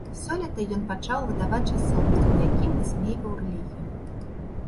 Сёлета ён пачаў выдаваць часопіс, у якім высмейваў рэлігію.